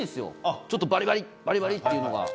バリバリバリバリっていうのが。